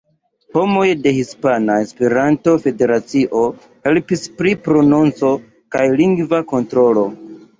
Homoj de Hispana Esperanto-Federacio helpis pri prononco kaj lingva kontrolo.